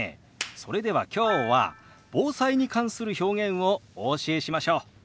それでは今日は防災に関する表現をお教えしましょう。